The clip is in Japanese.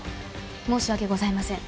申し訳ございません。